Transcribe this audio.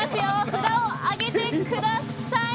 札を上げてください。